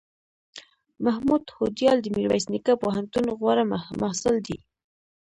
محمود هوډیال دمیرویس نیکه پوهنتون غوره محصل دی